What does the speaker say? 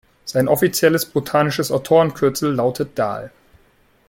Sein offizielles botanisches Autorenkürzel lautet „Dahl“.